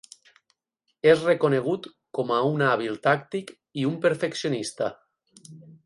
És reconegut com a un hàbil tàctic i un perfeccionista.